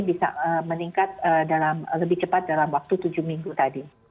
bisa meningkat lebih cepat dalam waktu tujuh minggu tadi